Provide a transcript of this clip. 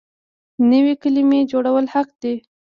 نوې کلمې جوړول حق دی.